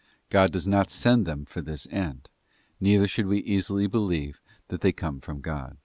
God does not send them for this end; neither should we easily believe that they come from God.